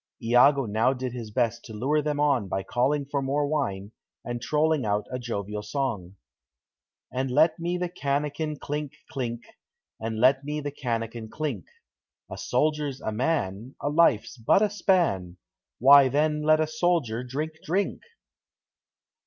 Iago now did his best to lure them on by calling for more wine, and trolling out a jovial song: "And let me the canakin clink, clink; And let me the canakin clink; A soldier's a man; A life's but a span; Why then let a soldier drink drink!"